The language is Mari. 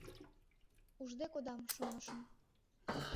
Ужде кодам, шонышым.